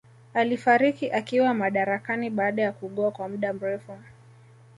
Alifariki akiwa madarakani baada ya kuugua kwa mda mrefu